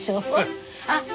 あっ！